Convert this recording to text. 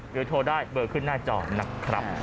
โทรได้เบอร์ขึ้นหน้าจอนะครับ